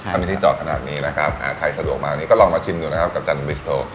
ถ้ามีที่จอดขนาดนี้นะครับใครสะดวกมานี่ก็ลองมาชิมดูนะครับกับจันบิสโท